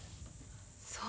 そう。